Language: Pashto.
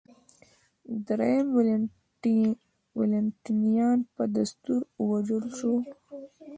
درېیم والنټینیان په دستور ووژل شو